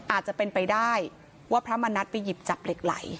อาจจะเป็นไปได้ว่าพระมณัฐไปหยิบจับเหล็กไหล